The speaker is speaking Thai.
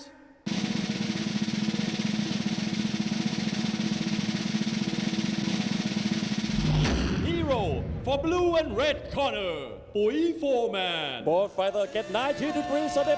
ภารกิจภารกิจภารกิจภารกิจภารกิจภารกิจภารกิจภารกิจภารกิจภารกิจภารกิจ